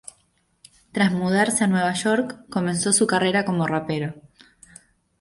Tras mudarse a New York, comenzó su carrera como rapero.